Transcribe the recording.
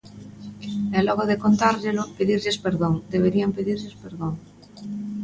E logo de contárllelo, pedirlles perdón, deberían pedirlles perdón.